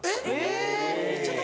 えっ？